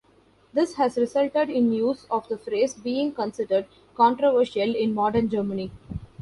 This has resulted in use of the phrase being considered controversial in modern Germany.